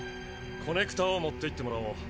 コネクターを持っていってもらおう。